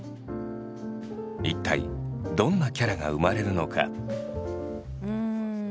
一体どんなキャラが生まれるのか？